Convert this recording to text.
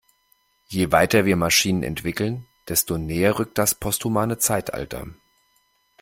Je weiter wir Maschinen entwickeln, desto näher rückt das posthumane Zeitalter.